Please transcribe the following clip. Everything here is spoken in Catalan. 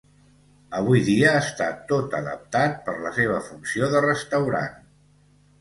Avui dia està tot adaptat per la seva funció de restaurant.